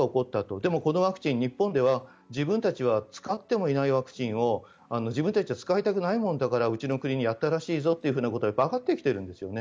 でもこのワクチンは日本では自分たちは使ってもいないワクチンを自分たちは使いたくないものだからうちの国にやったらしいぞということがわかってきているんですよね。